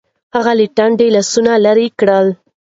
هغه له ټنډې لاسونه لرې کړل. .